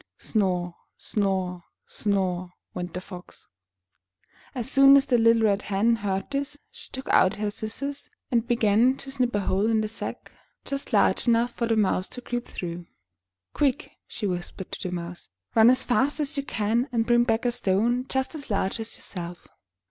Snore, snore, snore, went the Fox. As soon as the little Red Hen heard this, she took out her scissors, and began to snip a hole in the sack just large 217 MY BOOK HOUSE enough for the Mouse to creep through. "Quick/' she whispered to the Mouse, *'run as fast as you can and bring back a stone just as large as yourself.